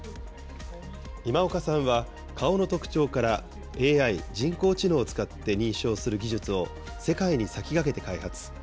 今岡さんは、顔の特徴から、ＡＩ・人工知能を使って認証する技術を、世界に先駆けて開発。